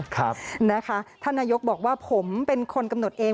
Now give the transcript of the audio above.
ครับนะคะท่านนายกบอกว่าผมเป็นคนกำหนดเอง